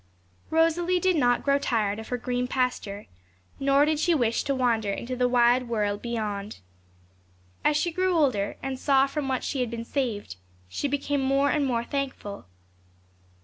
Rosalie did not grow tired of her green pasture, nor did she wish to wander into the wide world beyond. As she grew older, and saw from what she had been saved, she became more and more thankful.